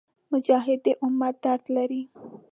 مجاهد د امت درد لري.